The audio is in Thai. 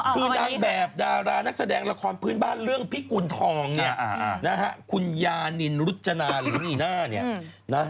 คือนางแบบดารานักแสดงละครพื้นบ้านเรื่องพิกูลทองคุณยานินรุจนาหรืออย่างนี้หน้า